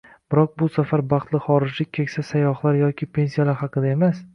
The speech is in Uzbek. Biroq, bu safar baxtli xorijlik keksa sayyohlar yoki pensiyalar haqida emas